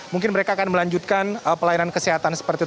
mungkin mereka akan melanjutkan pelayanan kesehatan seperti itu